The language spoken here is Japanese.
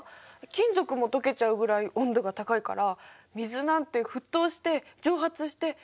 金属も溶けちゃうぐらい温度が高いから水なんて沸騰して蒸発してなくなっちゃう！